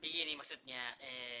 begini maksudnya eh